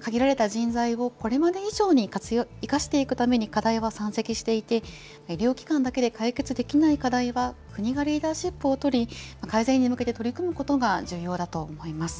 限られた人材をこれまで以上に生かしていくために課題は山積していて、医療機関だけで解決できない課題は国がリーダーシップを取り、改善に向けて取り組むことが重要だと思います。